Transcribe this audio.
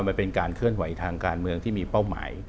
มันเป็นการเคลื่อนไหวทางการเมืองที่มีเป้าหมาย